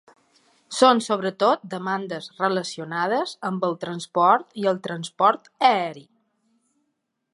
Són sobretot demandes relacionades amb el transport i el transport aeri.